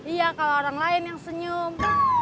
iya kalau orang lain yang senyum